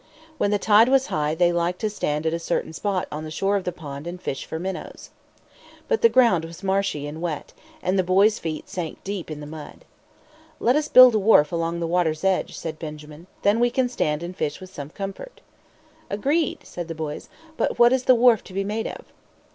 When the tide was high they liked to stand at a certain spot on the shore of the pond and fish for minnows. But the ground was marshy and wet, and the boys' feet sank deep in the mud. "Let us build a wharf along the water's edge," said Benjamin. "Then we can stand and fish with some comfort." "Agreed!" said the boys. "But what is the wharf to be made of?"